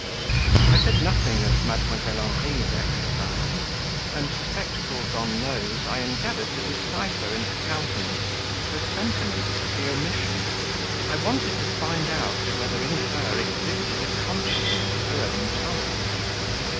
I said nothing of Mdlle. Henri's exercise, and, spectacles on nose, I endeavoured to decipher in her countenance her sentiments at the omission. I wanted to find out whether in her existed a consciousness of her own talents.